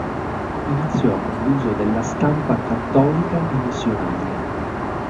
Iniziò con l'uso della stampa cattolica e missionaria.